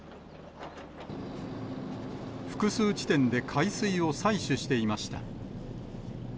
複数地点で海水を採取していました。